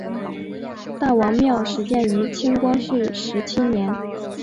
大王庙始建于清光绪十七年。